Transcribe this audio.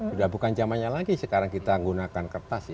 sudah bukan zamannya lagi sekarang kita menggunakan kertas